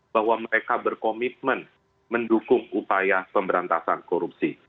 bahwa mereka berkomitmen mendukung upaya pemberantasan korupsi